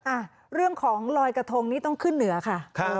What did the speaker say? อ่ะเรื่องของลอยกระทงนี่ต้องขึ้นเหนือค่ะ